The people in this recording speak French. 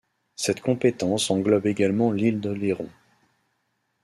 Cette compétence englobe également l’île d’Oléron.